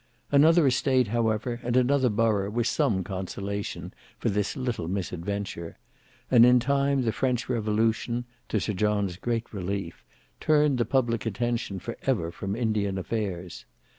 Another estate however and another borough were some consolation for this little misadventure; and in time the French Revolution, to Sir John's great relief, turned the public attention for ever from Indian affairs.